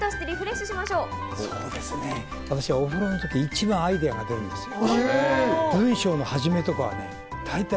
私はお風呂の時、一番アイデアが出るんですよ。